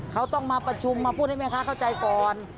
เขาต้องมาประชุมมาพูดให้แม่ค้าเข้าใจก่อน